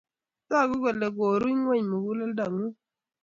Tagu kele koru ingweny muguleldo ngung